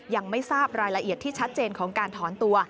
ยังไม่ทราบรายละเอียดที่ชัดเจนของการถอนตัว